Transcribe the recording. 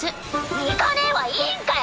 ニカねえはいいんかよ